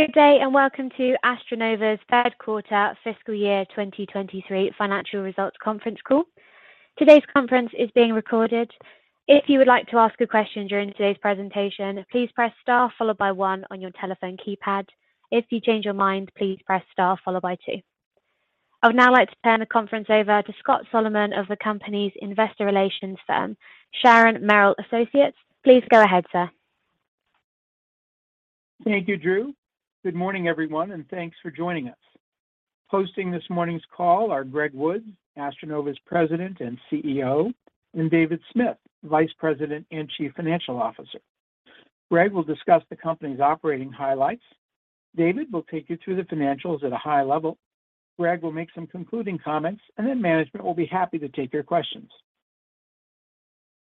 Good day, and welcome to AstroNova's Third Quarter Fiscal Year 2023 Financial Results Conference Call. Today's conference is being recorded. If you would like to ask a question during today's presentation, please press star followed by one on your telephone keypad. If you change your mind, please press star followed by two. I would now like to turn the conference over to Scott Solomon of the company's investor relations firm, Sharon Merrill Associates. Please go ahead, sir. Thank you, Drew. Good morning, everyone, and thanks for joining us. Hosting this morning's call are Greg Woods, AstroNova's President and CEO, and David Smith, Vice President and Chief Financial Officer. Greg will discuss the company's operating highlights. David will take you through the financials at a high level. Greg will make some concluding comments, and then management will be happy to take your questions.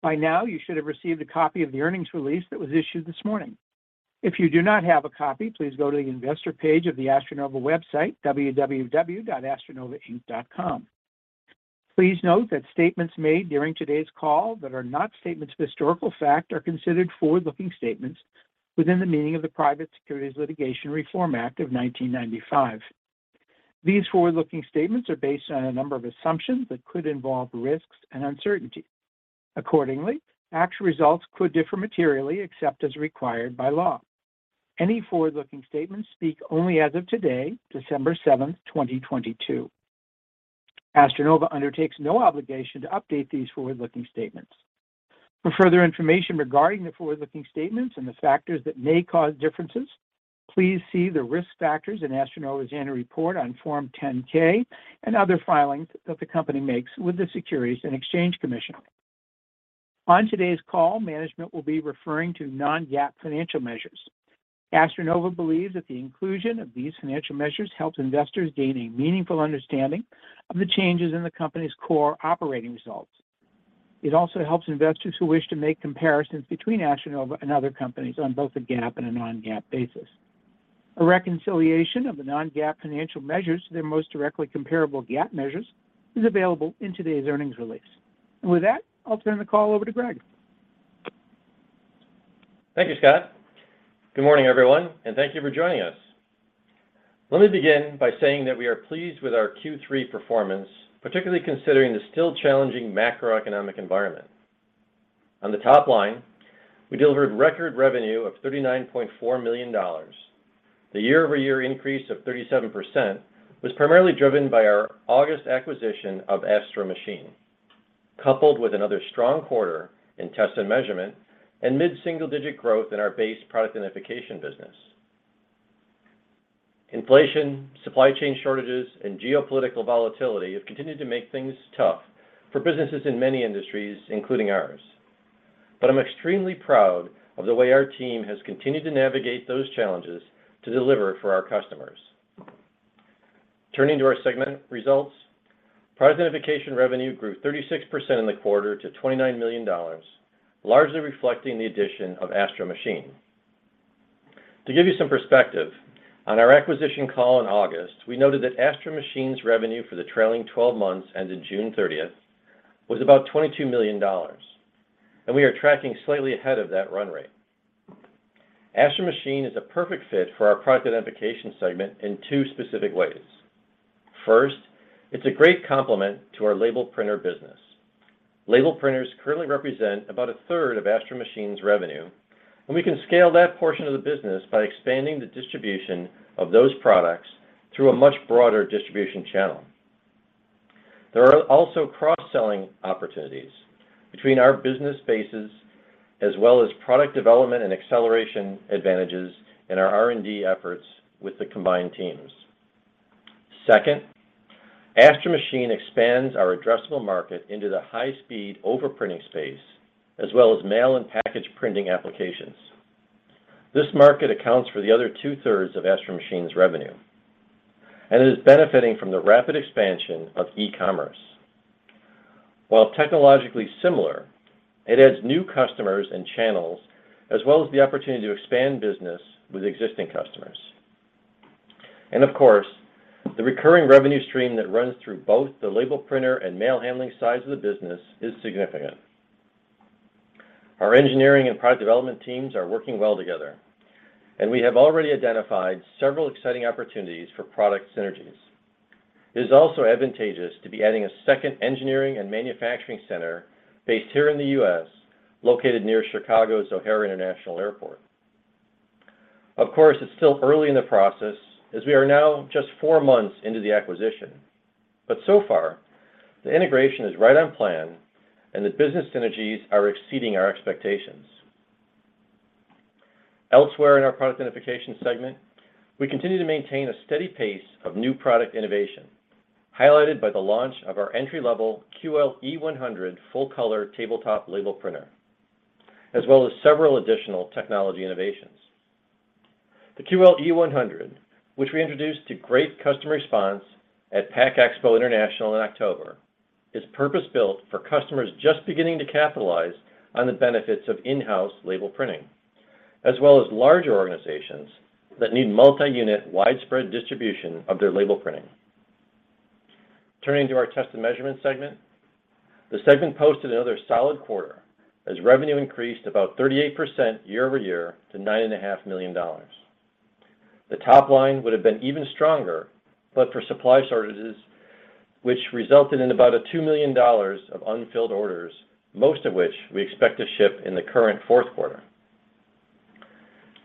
By now, you should have received a copy of the earnings release that was issued this morning. If you do not have a copy, please go to the investor page of the AstroNova website, www.astronovainc.com. Please note that statements made during today's call that are not statements of historical fact are considered forward-looking statements within the meaning of the Private Securities Litigation Reform Act of 1995. These forward-looking statements are based on a number of assumptions that could involve risks and uncertainty. Accordingly, actual results could differ materially except as required by law. Any forward-looking statements speak only as of today, December 7th, 2022. AstroNova undertakes no obligation to update these forward-looking statements. For further information regarding the forward-looking statements and the factors that may cause differences, please see the risk factors in AstroNova's annual report on Form 10-K and other filings that the company makes with the Securities and Exchange Commission. On today's call, management will be referring to non-GAAP financial measures. AstroNova believes that the inclusion of these financial measures helps investors gain a meaningful understanding of the changes in the company's core operating results. It also helps investors who wish to make comparisons between AstroNova and other companies on both a GAAP and a non-GAAP basis. A reconciliation of the non-GAAP financial measures to their most directly comparable GAAP measures is available in today's earnings release. With that, I'll turn the call over to Greg. Thank you, Scott. Good morning, everyone, and thank you for joining us. Let me begin by saying that we are pleased with our Q3 performance, particularly considering the still challenging macroeconomic environment. On the top line, we delivered record revenue of $39.4 million. The year-over-year increase of 37% was primarily driven by our August acquisition of Astro Machine, coupled with another strong quarter in Test and Measurement and mid-single-digit growth in our base Product Identification business. Inflation, supply chain shortages, and geopolitical volatility have continued to make things tough for businesses in many industries, including ours. I'm extremely proud of the way our team has continued to navigate those challenges to deliver for our customers. Turning to our segment results, Product Identification revenue grew 36% in the quarter to $29 million, largely reflecting the addition of Astro Machine. To give you some perspective, on our acquisition call in August, we noted that Astro Machine's revenue for the trailing 12 months ended June 30th was about $22 million. We are tracking slightly ahead of that run rate. Astro Machine is a perfect fit for our Product Identification segment in two specific ways. First, it's a great complement to our label printer business. Label printers currently represent about a third of Astro Machine's revenue. We can scale that portion of the business by expanding the distribution of those products through a much broader distribution channel. There are also cross-selling opportunities between our business bases as well as product development and acceleration advantages in our R&D efforts with the combined teams. Second, Astro Machine expands our addressable market into the high-speed overprinting space as well as mail and package printing applications. This market accounts for the other 2/3 of Astro Machine Corp.'s revenue and is benefiting from the rapid expansion of e-commerce. While technologically similar, it adds new customers and channels as well as the opportunity to expand business with existing customers. Of course, the recurring revenue stream that runs through both the label printer and mail handling sides of the business is significant. Our engineering and product development teams are working well together, and we have already identified several exciting opportunities for product synergies. It is also advantageous to be adding a second engineering and manufacturing center based here in the U.S., located near Chicago's O'Hare International Airport. Of course, it's still early in the process as we are now just four months into the acquisition. So far, the integration is right on plan and the business synergies are exceeding our expectations. Elsewhere in our Product Identification segment, we continue to maintain a steady pace of new product innovation, highlighted by the launch of our entry-level QL-E100 full-color tabletop label printer, as well as several additional technology innovations. The QL-E100, which we introduced to great customer response at PACK EXPO International in October, is purpose-built for customers just beginning to capitalize on the benefits of in-house label printing, as well as larger organizations that need multi-unit widespread distribution of their label printing. Turning to our Test and Measurement segment. The segment posted another solid quarter as revenue increased about 38% year-over-year to $9.5 Million. The top line would have been even stronger but for supply shortages, which resulted in about $2 million of unfilled orders, most of which we expect to ship in the current fourth quarter.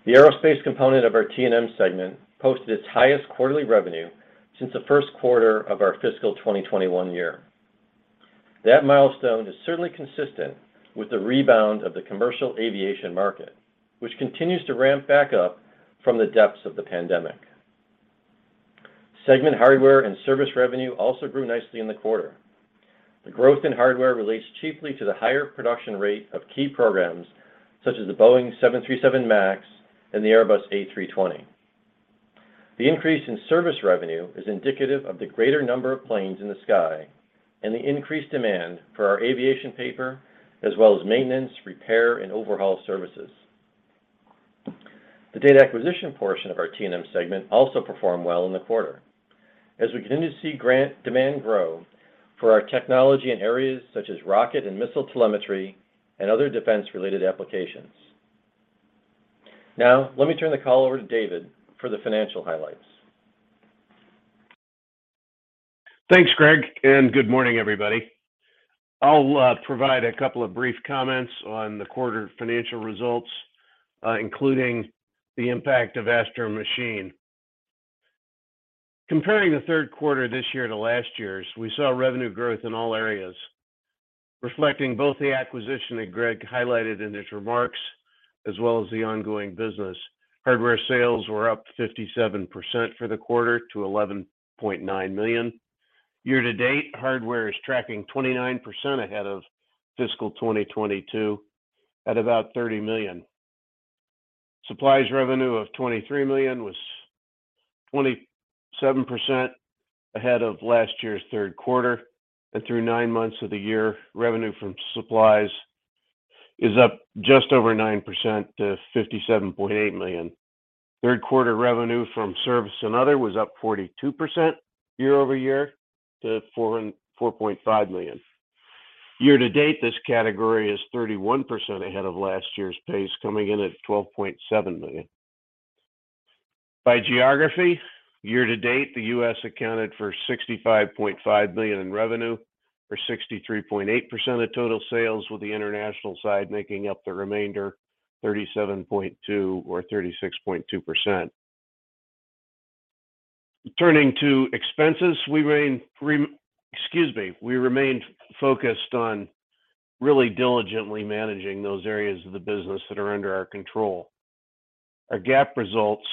The aerospace component of our T&M segment posted its highest quarterly revenue since the first quarter of our fiscal 2021 year. That milestone is certainly consistent with the rebound of the commercial aviation market, which continues to ramp back up from the depths of the pandemic. Segment hardware and service revenue also grew nicely in the quarter. The growth in hardware relates chiefly to the higher production rate of key programs such as the Boeing 737 MAX and the Airbus A320. The increase in service revenue is indicative of the greater number of planes in the sky and the increased demand for our aviation paper, as well as maintenance, repair and overhaul services. The data acquisition portion of our T&M segment also performed well in the quarter as we continue to see grant demand grow for our technology in areas such as rocket and missile telemetry and other defense-related applications. Let me turn the call over to David for the financial highlights. Thanks, Greg, good morning, everybody. I'll provide a couple of brief comments on the quarter financial results, including the impact of Astro Machine. Comparing the third quarter this year to last year's, we saw revenue growth in all areas, reflecting both the acquisition that Greg highlighted in his remarks, as well as the ongoing business. Hardware sales were up 57% for the quarter to $11.9 million. Year to date, hardware is tracking 29% ahead of fiscal 2022 at about $30 million. Supplies revenue of $23 million was 27% ahead of last year's third quarter. Through nine months of the year, revenue from supplies is up just over 9% to $57.8 million. Third quarter revenue from service and other was up 42% year-over-year to $4.5 million. Year to date, this category is 31% ahead of last year's pace, coming in at $12.7 million. By geography, year to date, the U.S. accounted for $65.5 million in revenue or 63.8% of total sales, with the international side making up the remainder, $37.2 million or 36.2%. Turning to expenses, excuse me, we remained focused on really diligently managing those areas of the business that are under our control. Our GAAP results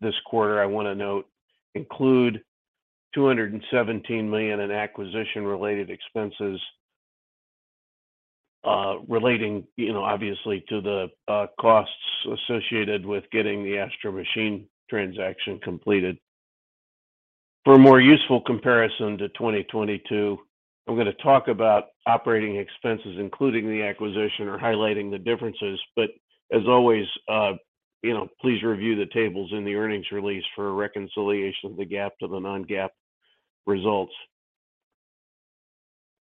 this quarter, I want to note, include $217 million in acquisition-related expenses, relating, you know, obviously to the costs associated with getting the Astro Machine transaction completed. For a more useful comparison to 2022, I'm going to talk about operating expenses, including the acquisition or highlighting the differences. As always, you know, please review the tables in the earnings release for a reconciliation of the GAAP to the non-GAAP results.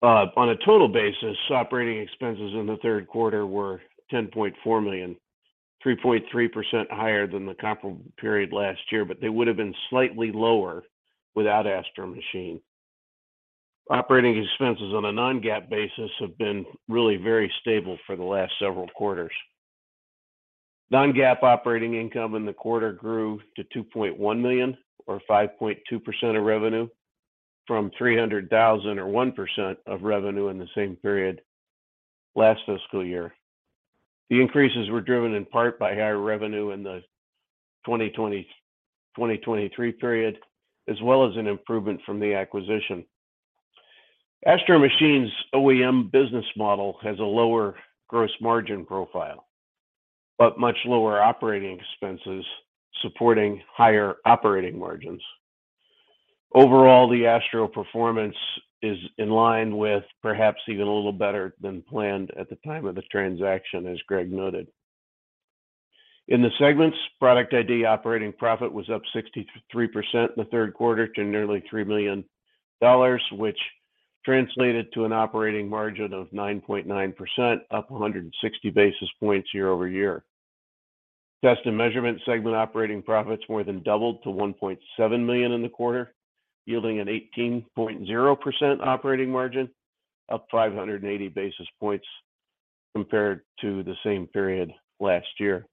On a total basis, Operating expenses in the third quarter were $10.4 million, 3.3% higher than the comparable period last year, but they would have been slightly lower without Astro Machine. Operating expenses on a non-GAAP basis have been really very stable for the last several quarters. Non-GAAP operating income in the quarter grew to $2.1 million or 5.2% of revenue from $300,000 or 1% of revenue in the same period last fiscal year. The increases were driven in part by higher revenue in the 2020, 2023 period, as well as an improvement from the acquisition. Astro Machine's OEM business model has a lower gross margin profile, but much lower operating expenses supporting higher operating margins. Overall, the Astro performance is in line with perhaps even a little better than planned at the time of the transaction, as Greg noted. In the segments, Product ID operating profit was up 63% in the third quarter to nearly $3 million, which translated to an operating margin of 9.9%, up 160 basis points year-over-year. Test and Measurement segment operating profits more than doubled to $1.7 million in the quarter, yielding an 18.0% operating margin, up 580 basis points compared to the same period last year.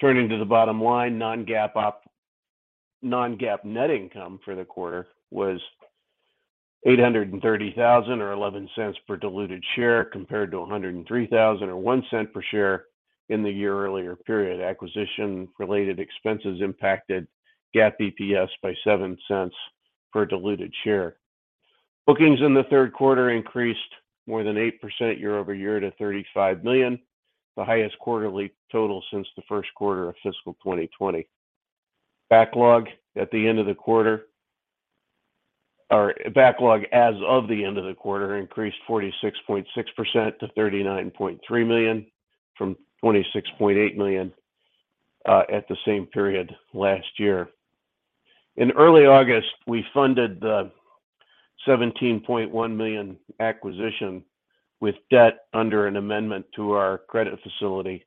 Turning to the bottom line, non-GAAP net income for the quarter was $830,000 or $0.11 per diluted share, compared to $103,000 or $0.01 per share in the year-earlier period. Acquisition-related expenses impacted GAAP EPS by $0.07 per diluted share. Bookings in the third quarter increased more than 8% year-over-year to $35 million, the highest quarterly total since the first quarter of fiscal 2020. Backlog as of the end of the quarter increased 46.6% to $39.3 million from $26.8 million at the same period last year. In early August, we funded the $17.1 million acquisition with debt under an amendment to our credit facility,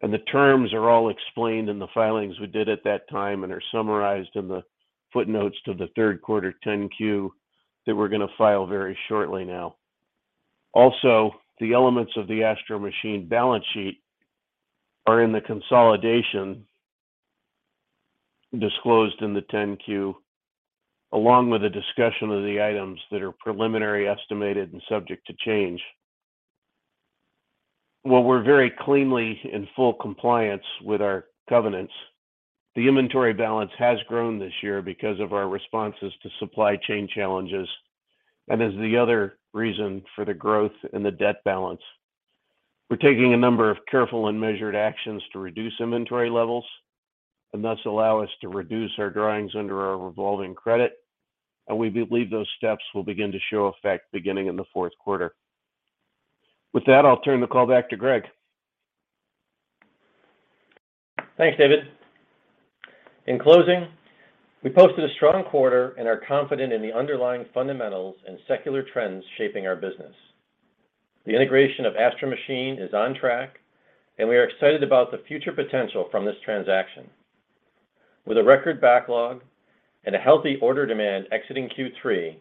and the terms are all explained in the filings we did at that time, and are summarized in the footnotes to the third quarter 10-Q that we're gonna file very shortly now. Also, the elements of the Astro Machine balance sheet are in the consolidation disclosed in the 10-Q, along with a discussion of the items that are preliminary estimated and subject to change. While we're very cleanly in full compliance with our covenants, the inventory balance has grown this year because of our responses to supply chain challenges and is the other reason for the growth in the debt balance. We're taking a number of careful and measured actions to reduce inventory levels and thus allow us to reduce our drawings under our revolving credit, and we believe those steps will begin to show effect beginning in the fourth quarter. With that, I'll turn the call back to Greg. Thanks, David. In closing, we posted a strong quarter and are confident in the underlying fundamentals and secular trends shaping our business. The integration of Astro Machine is on track, and we are excited about the future potential from this transaction. With a record backlog and a healthy order demand exiting Q3,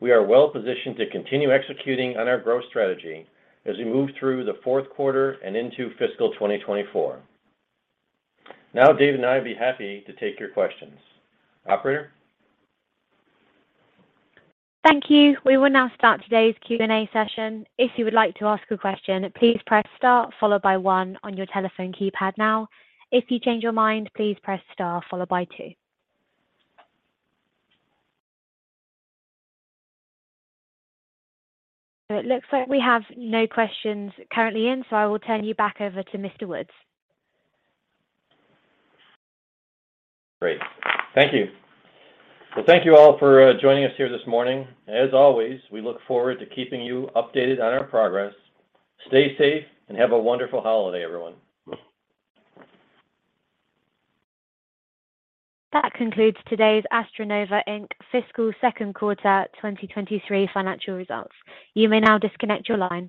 we are well-positioned to continue executing on our growth strategy as we move through the fourth quarter and into fiscal 2024. Now, Dave and I would be happy to take your questions. Operator? Thank you. We will now start today's Q&A session. If you would like to ask a question, please press star followed by one on your telephone keypad now. If you change your mind, please press star followed by two. It looks like we have no questions currently in, so I will turn you back over to Mr. Woods. Great. Thank you. Well, thank you all for joining us here this morning. As always, we look forward to keeping you updated on our progress. Stay safe, and have a wonderful holiday, everyone. That concludes today's AstroNova Inc. fiscal second quarter 2023 financial results. You may now disconnect your line